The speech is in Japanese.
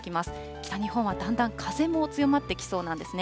北日本はだんだん風も強まってきそうなんですね。